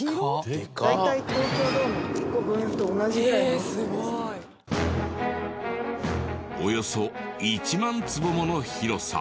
大体およそ１万坪もの広さ。